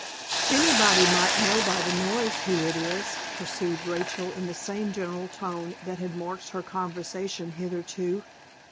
"Anybody might know by the noise who it is," pursued Rachel, in the same general tone that had marked her conversation hitherto.